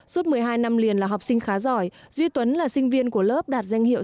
suốt một mươi hai năm liền là học sinh khá giỏi duy tuấn là sinh viên của lớp đạt danh hiệu